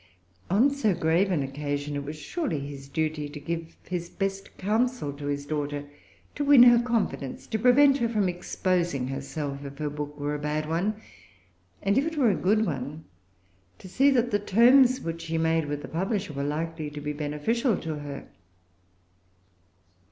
On so grave an occasion, it was surely his duty to give his best counsel to his daughter, to win her confidence, to prevent her from exposing herself if her book were a bad one, and, if it were a good one, to see that the terms which she made with the publisher were likely to be beneficial to her.